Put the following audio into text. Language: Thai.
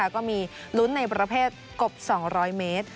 ก็มีลุ้นในประเภทกบ๒๐๐เมตร